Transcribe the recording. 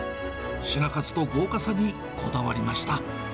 品数と豪華さにこだわりました。